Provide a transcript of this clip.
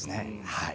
はい。